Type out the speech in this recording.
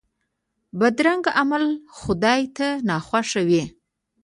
بدرنګه عمل خدای ته ناخوښه وي